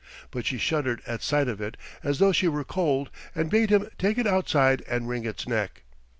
But she shuddered at sight of it as though she were cold, and bade him take it outside and wring its neck.